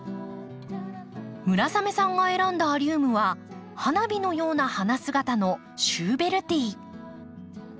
村雨さんが選んだアリウムは花火のような花姿のシューベルティー。